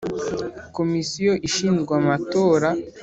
Komisiyo ishinzwe amatora